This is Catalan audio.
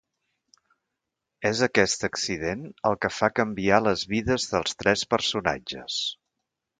És aquest accident el que fa canviar les vides dels tres personatges.